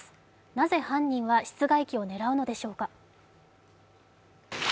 なぜ犯人は室外機を狙うのでしょうか？